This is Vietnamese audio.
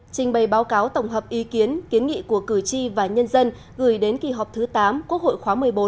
trình bày báo cáo tổng hợp ý kiến kiến nghị của cử tri và nhân dân gửi đến kỳ họp thứ tám quốc hội khóa một mươi bốn